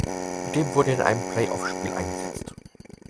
Zudem wurde er in einem Playoffspiel eingesetzt.